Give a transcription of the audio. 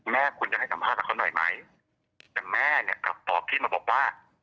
แม่คุณจะให้สัมภาษณ์กับเขาหน่อยไหมแต่แม่เนี่ยกลับตอบพี่มาบอกว่า